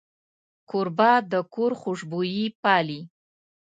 کوربه د کور خوشبويي پالي.